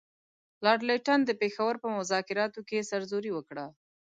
لارډ لیټن د پېښور په مذاکراتو کې سرزوري وکړه.